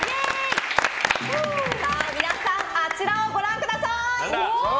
皆さん、あちらをご覧ください。